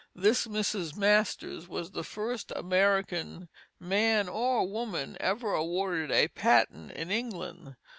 This Mrs. Masters was the first American, man or woman, ever awarded a patent in England.